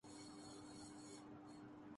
جب تاج اچھالے جائیں گے۔